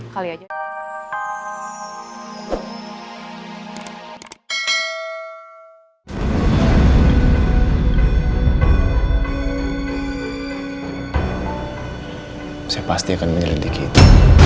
saya pasti akan menyelidiki itu